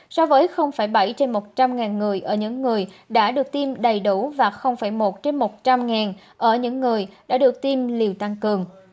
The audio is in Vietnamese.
so với bảy trên một trăm linh người ở những người đã được tiêm đầy đủ và một trên một trăm linh ngàn ở những người đã được tiêm liều tăng cường